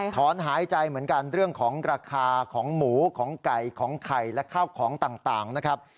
ถอนหายใจเหมือนกันเรื่องของราคาของหมูของไก่ของไข่และข้าวของต่างนะครับ